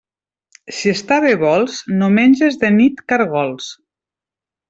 Si estar bé vols, no menges de nit caragols.